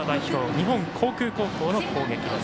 日本航空高校の攻撃です。